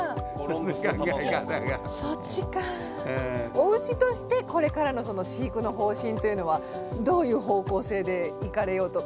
おうちとしてこれからのその飼育の方針というのはどういう方向性でいかれようと？